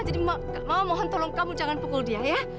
jadi mama mohon tolong kamu jangan pukul dia ya